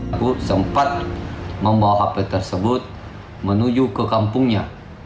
aku sempat membawa hape tersebut menuju ke kampungnya